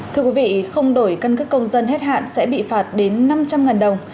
thưa quý vị không đổi căn cước công dân hết hạn sẽ bị phạt đến năm trăm linh đồng